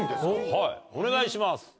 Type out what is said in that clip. はいお願いします。